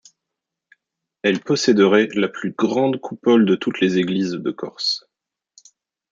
Elle posséderait la plus grande coupole de toutes les églises de Corse.